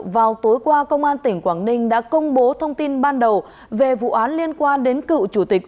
vào tối qua công an tỉnh quảng ninh đã công bố thông tin ban đầu về vụ án liên quan đến cựu chủ tịch